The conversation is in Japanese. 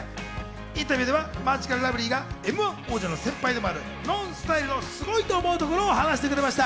インタビューではマヂカルラブリーがＭ−１王者の先輩でもあるＮＯＮＳＴＹＬＥのすごいと思うところを話してくれました。